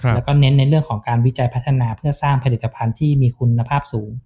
แล้วก็เน้นในเรื่องของการวิจัยพัฒนาเพื่อสร้างผลิตภัณฑ์ที่มีคุณภาพสูง